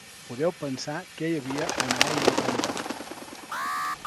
Podeu pensar què hi havia on ara hi ha el pantà.